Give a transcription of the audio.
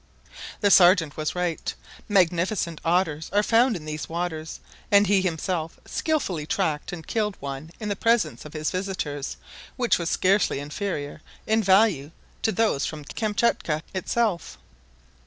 The Sergeant was right; magnificent otters are found in these waters, and he himself skilfully tracked and killed one in the presence of his visitors which was scarcely inferior in value to those from Kamtchatka itself.